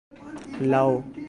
لاؤ